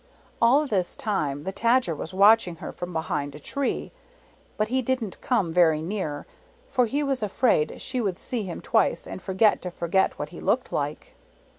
All this time the Tadger was watching her from behind a tree; but he didn't come very near for he was afraid she would see him twice and forget to forget what he looked like.